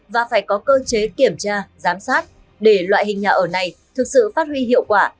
và phải có cơ chế kiểm tra giám sát để loại hình nhà ở này thực sự phát huy hiệu quả